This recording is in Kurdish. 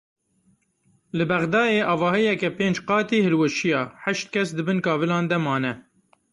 Li Bexdayê avahiyeke pênc qatî hilweşiya heşt kes di bin kavilan de mane.